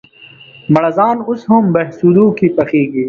مړزان اوس هم بهسودو کې پخېږي؟